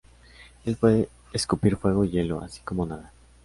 Él puede escupir fuego y hielo, así como nadar.